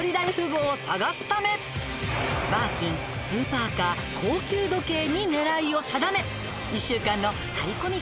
「バーキンスーパーカー高級時計に狙いを定め一週間の張り込み